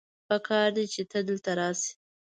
پکار دی چې ته دلته راشې